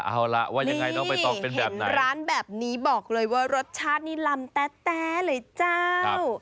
เอาล่ะว่ายังไงน้องใบตองเป็นแบบนั้นร้านแบบนี้บอกเลยว่ารสชาตินี่ลำแต๊เลยเจ้า